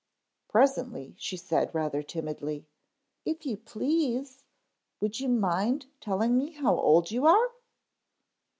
] Presently she said, rather timidly, "If you please, would you mind telling me how old you are?"